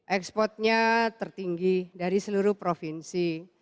ekspornya tertinggi dari seluruh provinsi